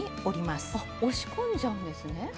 押し込んじゃうんですね。